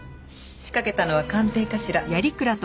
仕掛けたのは官邸かしら？